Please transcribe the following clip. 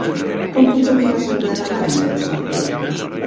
Com puc arribar a Premià de Mar amb trasport públic?